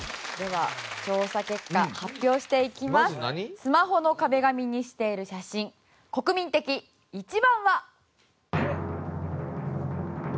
スマホの壁紙にしている写真国民的１番は。